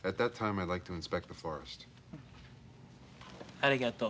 ありがとう。